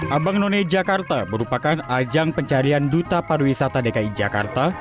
abang none jakarta merupakan ajang pencarian duta pariwisata dki jakarta